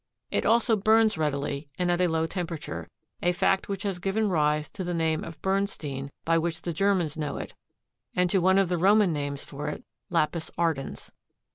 It also burns readily and at a low temperature, a fact which has given rise to the name of bernstein by which the Germans know it, and to one of the Roman names for it, lapis ardens.